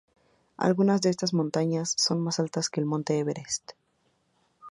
Algunas de estas montañas son más altas que el Monte Everest.